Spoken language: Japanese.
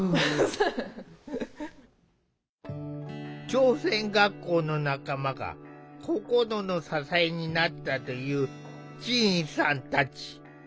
朝鮮学校の仲間が心の支えになったというちいんさんたち。